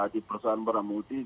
di perusahaan para multi